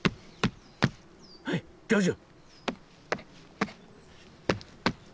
はいどうぞ。